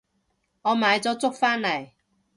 我買咗粥返嚟